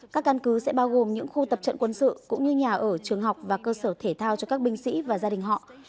các căn cứ sẽ bao gồm những khu tập trận quân sự cũng như nhà ở trường học và cơ sở thể thao cho các binh sĩ và gia đình họ